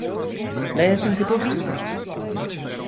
Lês in gedicht foar.